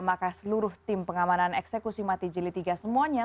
maka seluruh tim pengamanan eksekusi mati jili tiga semuanya